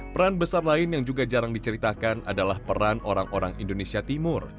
peran besar lain yang juga jarang diceritakan adalah peran orang orang indonesia timur